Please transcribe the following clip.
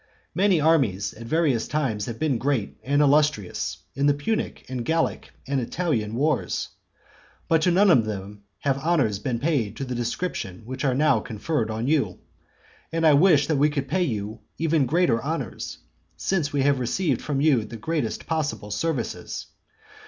Many armies at various times have been great and illustrious in the Punic, and Gallic, and Italian wars; but to none of them have honours been paid of the description which are now conferred on you. And I wish that we could pay you even greater honours, since we have received from you the greatest possible services.